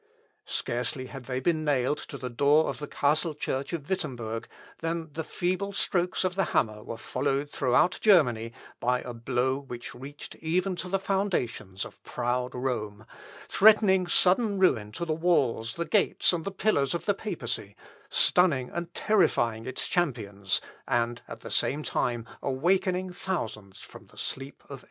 Scarcely had they been nailed to the door of the castle church of Wittemberg, than the feeble strokes of the hammer were followed throughout Germany by a blow which reached even to the foundations of proud Rome, threatening sudden ruin to the walls, the gates, and the pillars of the papacy, stunning and terrifying its champions, and at the same time awakening thousands from the sleep of error.